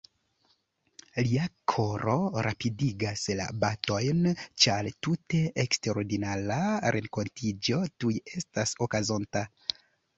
Lia koro rapidigas la batojn ĉar tute eksterordinara renkontiĝo tuj estas okazonta.